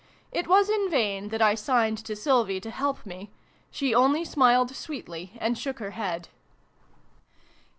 It was in vain that I signed to Sylvie to help me : she only smiled sweetly and shook her head.